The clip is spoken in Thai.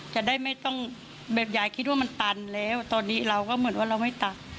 จะได้ไม่ต้องแบบยายคิดว่ามันตันแล้วตอนนี้เราก็เหมือนว่าเราไม่ตัด